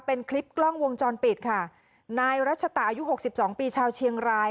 เป็นคลิปกล้องวงจรปิดค่ะนายรัชตะอายุหกสิบสองปีชาวเชียงราย